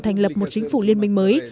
thành lập một chính phủ liên minh mới